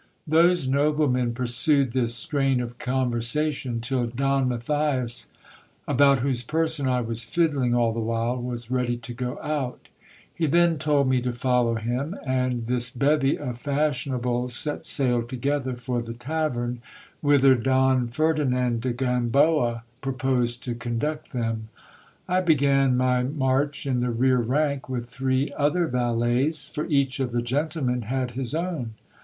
Those noblemen pursued this strain of conversation, till Don Matthias, alx>ut whose person I was fiddling all the while, was ready to go out He then told me to follow him ; and this bevy of fashionables set sail together for the tavern, whither Don Ferdinand de Gamboa proposed to conduct them. I began my march in the rear rank with three other valets ; for each of the gentlemen had his own.